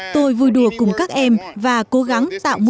tôi vui đùa cùng các em và cố gắng tạo một cách tự nhiên